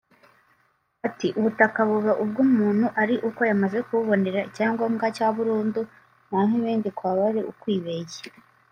Ati “Ubutaka buba ubw’umuntu ari uko yamaze kububonera icyangombwa cya burundu naho ibindi kwaba ari ukwibeshya”